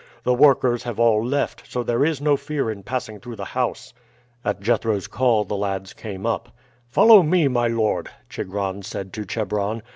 The workers have all left, so there is no fear in passing through the house." At Jethro's call the lads came up. "Follow me, my lord," Chigron said to Chebron.